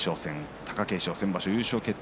貴景勝は先場所優勝決定